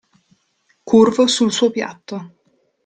Curvo sul suo piatto.